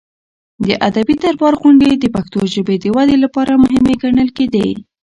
د ادبي دربار غونډې د پښتو ژبې د ودې لپاره مهمې ګڼل کېدې.